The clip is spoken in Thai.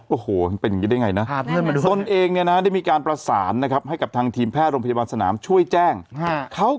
โอ้โฮเป็นอย่างนี้ได้อย่างไรนะ